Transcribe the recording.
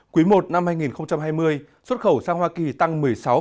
cuối một năm hai nghìn hai mươi xuất khẩu sang hoa kỳ tăng một mươi sáu hai